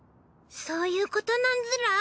そういうことなんズラ？